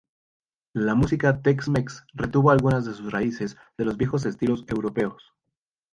La música tex-mex retuvo algunas de sus raíces de los viejos estilos europeos.